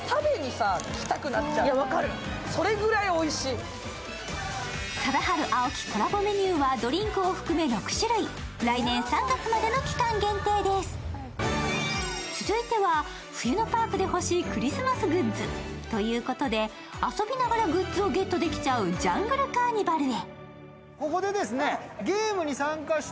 分かる、それぐらいおいしい続いては、冬のパークで欲しいクリスマスグッズ。ということで、遊びながらグッズをゲットできちゃうジャングルカーニバルへ。